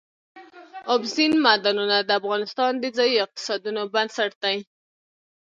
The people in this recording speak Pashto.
اوبزین معدنونه د افغانستان د ځایي اقتصادونو بنسټ دی.